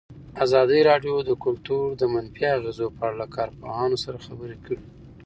ازادي راډیو د کلتور د منفي اغېزو په اړه له کارپوهانو سره خبرې کړي.